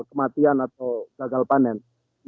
dan kemudian berdampak terhadap kematian tanaman